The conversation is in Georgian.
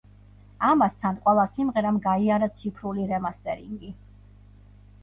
ამასთან, ყველა სიმღერამ გაიარა ციფრული რემასტერინგი.